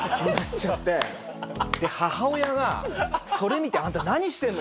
で母親がそれ見て「あんた何してんの？」